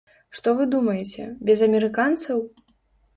Што, вы думаеце, без амерыканцаў?